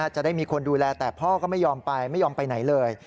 จะได้มีคนดูแลแต่พ่อก็ไม่ยอมไปไม่ยอมไปไหนเลย